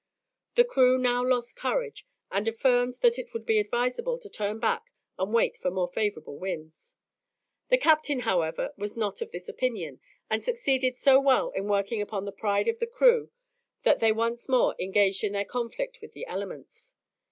The crew now lost courage, and affirmed that it would be advisable to turn back and wait for more favourable winds. The captain, however, was not of this opinion, and succeeded so well in working upon the pride of the crew that they once more engaged in their conflict with the elements.